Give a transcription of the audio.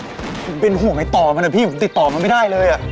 ผมเป็นห่วงไอ้ต่อมันนะพี่ผมติดต่อมันไม่ได้เลย